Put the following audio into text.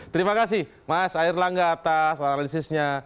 terima kasih mas air langga atas analisisnya